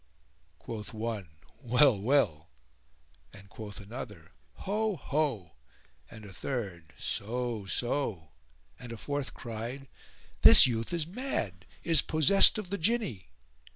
Quoth one, "Well! well!"; and quoth another, "Ho! ho!"; and a third, "So! so!"; and a fourth cried, "This youth is mad, is possessed of the Jinni!"